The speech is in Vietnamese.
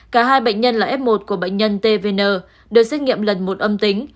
cả hai bệnh nhân là f một của bệnh nhân tvn đều xét nghiệm lần một âm tính